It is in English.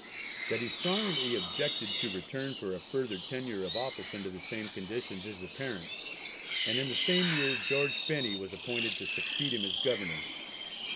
That he strongly objected to return for a further tenure of office under the same conditions is apparent, and in the same year George Phenney was appointed to succeed him as Governor.